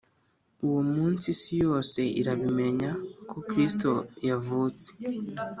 uwo munsi isi yose irabimenya ko kristu yavutse